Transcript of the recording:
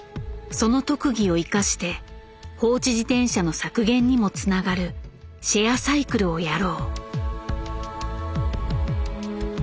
その特技を生かして放置自転車の削減にもつながるシェアサイクルをやろう。